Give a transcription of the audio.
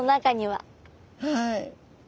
はい。